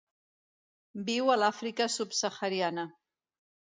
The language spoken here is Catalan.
Viu a l'Àfrica subsahariana.